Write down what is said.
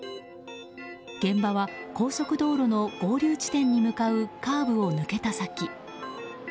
現場は高速道路の合流地点に向かうカーブを抜けた先。